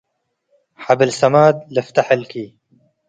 “ሐብል-ሰማድ” ልፍተሕ እልኪ ።